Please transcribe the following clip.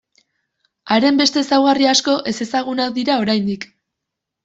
Haren beste ezaugarri asko ezezagunak dira oraindik.